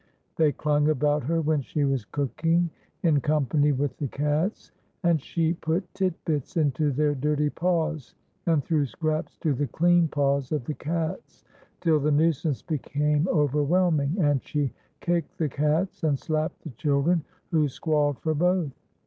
They clung about her when she was cooking, in company with the cats, and she put tit bits into their dirty paws, and threw scraps to the clean paws of the cats, till the nuisance became overwhelming, and she kicked the cats and slapped the children, who squalled for both.